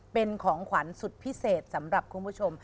เป็นของขวัญสุดพิเศษสำหรับคุณผู้ชม